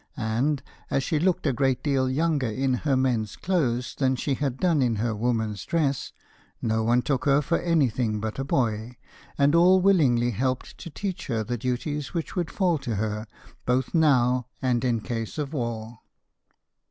And, as she looked a great deal younger in her men's clothes than she had done in her woman's dress, no one took her for anything but a boy, and all willingly helped to teach her the duties which would fall to her, both now and in case of war.